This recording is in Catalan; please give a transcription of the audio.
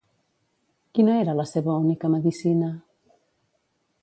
Quina era la seva única medicina?